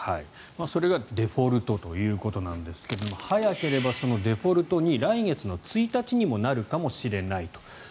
それがデフォルトということなんですけれども早ければそのデフォルトに来月の１日にもなるかもしれないと。